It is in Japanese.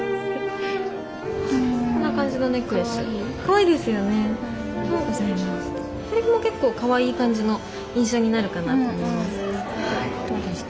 これも結構かわいい感じの印象になるかなと思います。